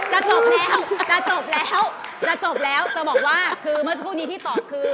จะจบแล้วจะจบแล้วจะจบแล้วจะบอกว่าคือเมื่อสักครู่นี้ที่ตอบคือ